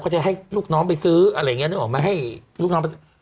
จะให้ลูกน้องไปซื้ออะไรอย่างนี้นึกออกมาให้ลูกน้องไปซื้อ